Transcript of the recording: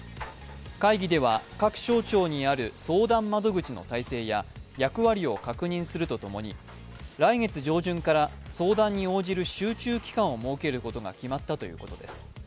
会議では各省庁にある相談窓口の体制や役割を確認するとともに来月上旬から相談に応じる集中期間を設けることが決まったということです。